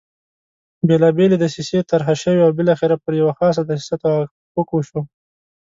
بېلابېلې دسیسې طرح شوې او بالاخره پر یوه خاصه دسیسه توافق وشو.